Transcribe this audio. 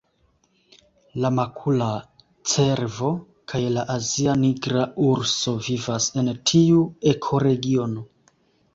La makula cervo kaj la azia nigra urso vivas en tiu ekoregiono.